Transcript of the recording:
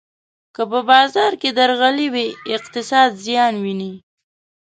که په بازار کې درغلي وي، اقتصاد زیان ویني.